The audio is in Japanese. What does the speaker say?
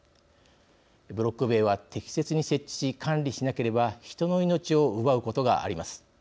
ブロック塀は適切に設置し、管理しなければ人の命を奪うことがあります。